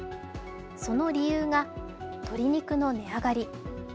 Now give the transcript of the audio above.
その理由が鶏肉の値上がり。